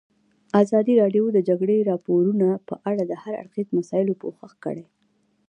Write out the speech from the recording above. ازادي راډیو د د جګړې راپورونه په اړه د هر اړخیزو مسایلو پوښښ کړی.